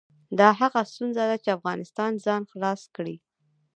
دا هغه ستونزه ده چې افغانستان ځان خلاص کړي.